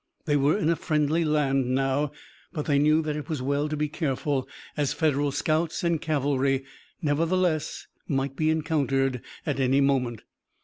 They were in a friendly land now, but they knew that it was well to be careful, as Federal scouts and cavalry nevertheless might be encountered at any moment.